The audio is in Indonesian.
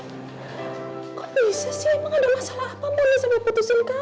kok bisa sih emang ada masalah apa mondi sampai putusin kamu ya